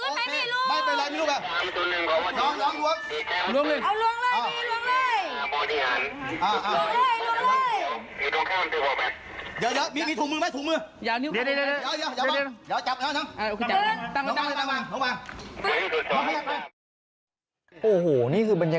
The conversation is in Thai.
เราอยู่เฉย